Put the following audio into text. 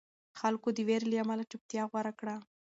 خلکو د وېرې له امله چوپتیا غوره کړه.